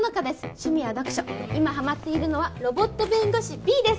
趣味は読書今ハマっているのはロボット弁護士Ｂです